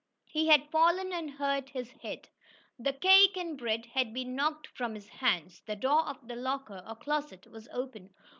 He had fallen and hurt his head. The cake and bread had been knocked from his hands. The door of the locker or closet was open.